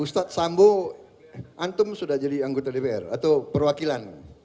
ustadz sambo antum sudah jadi anggota dpr atau perwakilan